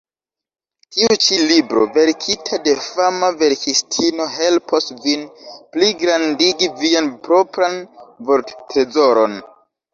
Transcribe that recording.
Tiu ĉi libro, verkita de fama verkistino, helpos vin pligrandigi vian propran vorttrezoron.